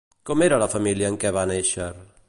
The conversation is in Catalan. Com era la família en què va néixer?